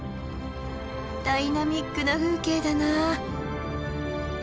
ダイナミックな風景だな。